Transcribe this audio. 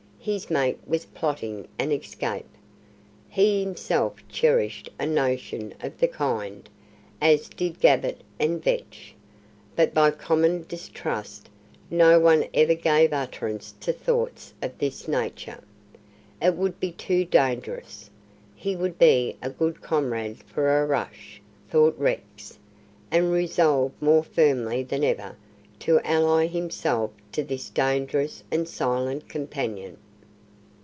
His mate was plotting an escape. He himself cherished a notion of the kind, as did Gabbett and Vetch, but by common distrust no one ever gave utterance to thoughts of this nature. It would be too dangerous. "He would be a good comrade for a rush," thought Rex, and resolved more firmly than ever to ally himself to this dangerous and silent companion.